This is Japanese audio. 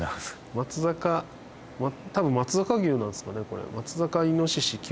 松阪多分松阪牛なんですかね